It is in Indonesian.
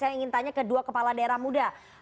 saya ingin tanya ke dua kepala daerah muda